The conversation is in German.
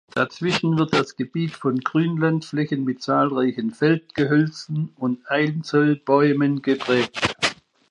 Dazwischen wird das Gebiet von Grünlandflächen mit zahlreichen Feldgehölzen und Einzelbäumen geprägt.